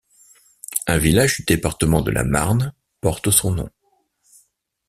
Un village du département de la Marne porte son nom.